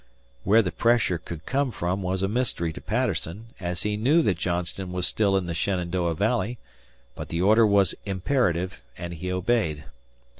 Where the pressure could come from was a mystery to Patterson, as he knew that Johnston was still in the Shenandoah Valley, but the order was imperative, and he obeyed.